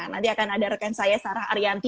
nanti akan ada rekan saya sarah arianti